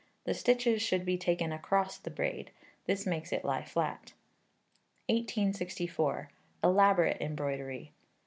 The stitches should be taken across the braid. This makes it lie flat. 1864. Elaborate Embroidery.